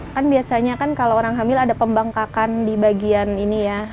kan biasanya kan kalau orang hamil ada pembangkakan di bagian ini ya